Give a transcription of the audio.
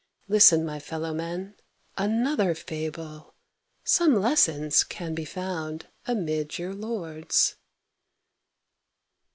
Listen, my fellow men, another fable: Some lessons can be found amid your lords.